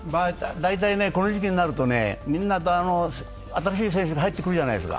大体この時期になると、新しい選手が入ってくるじゃないですか。